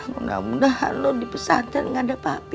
mudah mudahan lu di pesantren gak ada papi ya poy